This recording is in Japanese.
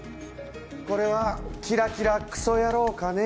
これはキラキラクソ野郎かね？